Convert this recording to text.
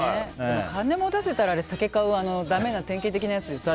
金持たせたら酒買う、ダメな典型的なやつですよ。